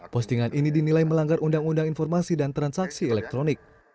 postingan ini dinilai melanggar undang undang informasi dan transaksi elektronik